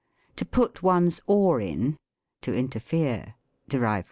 To put one's oar in (to interfere,) Ditto.